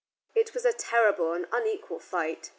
It was a terrible and unequal fight.